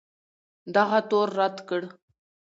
دغه تور رد کړ